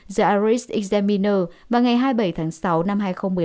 the irish examiner vào ngày hai mươi bảy tháng sáu năm hai nghìn một mươi năm